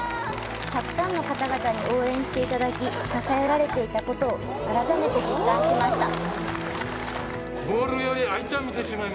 たくさんの方々に応援していただき、支えられていたことを改めて実感しました。